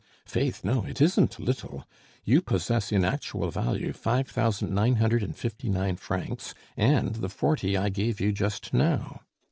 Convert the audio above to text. Faith! no; it isn't little. You possess, in actual value, five thousand nine hundred and fifty nine francs and the forty I gave you just now.